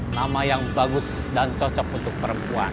nama yang bagus dan cocok untuk perempuan